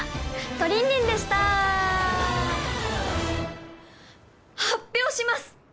トリンリンでした発表します